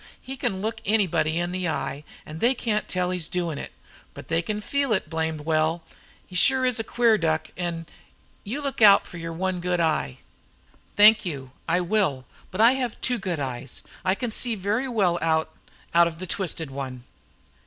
He can look anybody in the eye, an' they can't tell he's doin' it, but they can feel it blamed well. He sure is a queer duck, an' you look out for your one good eye." "Thank you, I will. But I have two good eyes. I can see very well out out of the twisted one."